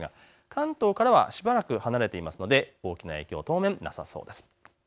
関東からはしばらく離れているので大きな影響は当面なさそうです。